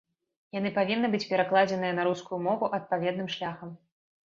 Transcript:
Яны павінны быць перакладзеныя на рускую мову адпаведным шляхам.